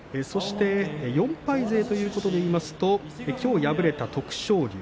４敗勢というところでいきますときょう敗れた徳勝龍